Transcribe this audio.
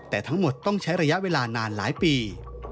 แต่ทั้งหมดต้องใช้ระยะเวลานานหลายปี